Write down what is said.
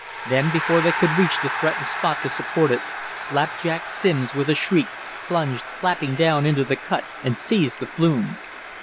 Then, before they could reach the threatened spot to support it, Slapjack Simms, with a shriek, plunged flapping down into the cut and seized the flume.